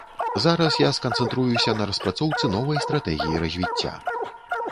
Зараз я сканцэнтруюся на распрацоўцы новай стратэгіі развіцця.